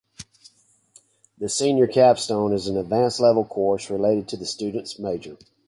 The Senior Capstone is an advanced-level course related to the student's major.